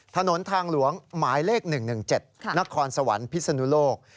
ถนนทางหลวงหมายเลข๑๑๗นครสวรรค์พิศนุโลก